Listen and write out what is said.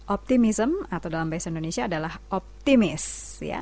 optimism atau dalam bahasa indonesia adalah optimis